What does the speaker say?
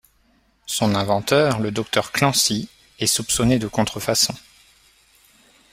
Son inventeur, le Dr Clancy est soupçonné de contrefaçon.